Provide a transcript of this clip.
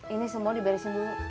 ini semua diberesin dulu